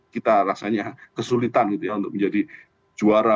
kita rasanya kesulitan gitu ya untuk menjadi juara